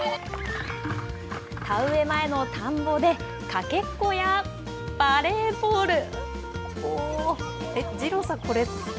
田植え前の田んぼで、かけっこやバレーボール。